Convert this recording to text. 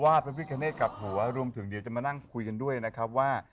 พระพิคเนตกับหัวรวมถึงเดี๋ยวจะมานั่งคุยกันด้วยนะครับว่า